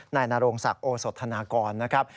นายนโรงศักดิ์โอสถานกร